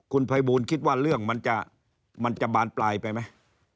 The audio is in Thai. คุณภัยบูลคิดว่าเรื่องมันจะบานปลายไปไหม